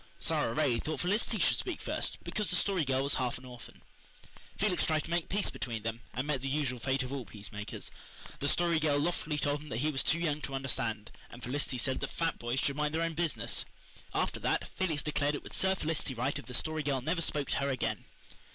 Sara Ray thought Felicity should speak first, because the Story Girl was half an orphan. Felix tried to make peace between them, and met the usual fate of all peacemakers. The Story Girl loftily told him that he was too young to understand, and Felicity said that fat boys should mind their own business. After that, Felix declared it would serve Felicity right if the Story Girl never spoke to her again.